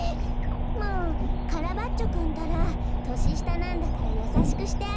もうカラバッチョくんったら。とししたなんだからやさしくしてあげなきゃ。